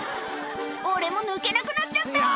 「俺も抜けなくなっちゃった！」